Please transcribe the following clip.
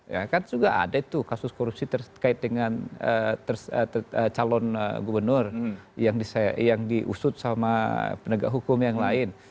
ya kan juga ada tuh kasus korupsi terkait dengan calon gubernur yang diusut sama penegak hukum yang lain